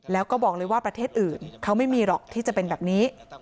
แล้วก็บอกเลยว่าประเทศอื่นเขาไม่มีหรอกที่จะเป็นแบบนี้